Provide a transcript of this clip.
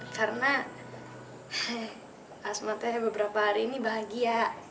karena asma teh beberapa hari ini bahagia